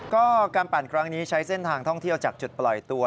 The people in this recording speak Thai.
ก็การปั่นครั้งนี้ใช้เส้นทางท่องเที่ยวจากจุดปล่อยตัว